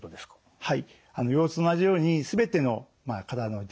はい。